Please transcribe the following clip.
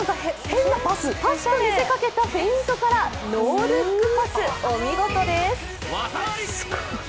パスと見せかけたフェイントからノールックパス、お見事です。